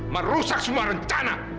merusak semua rencana